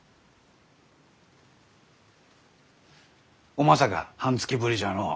おマサか半月ぶりじゃのう。